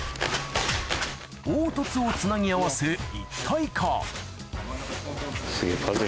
凹凸をつなぎ合わせ一体化